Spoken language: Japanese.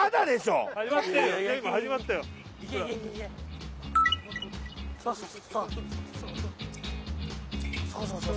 うそうそう。